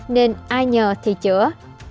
nên ai nhờ thì chữa